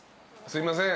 すいません